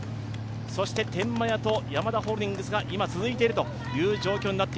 そして天満屋とヤマダホールディングスが今、続いている状況です。